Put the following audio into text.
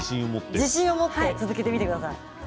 自信を持って続けてみてください。